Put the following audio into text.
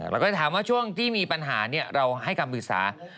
แล้วก็ถามว่าช่วงที่มีปัญหาเราให้คำปรึกษา